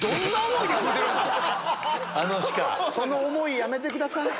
その思い、やめてください。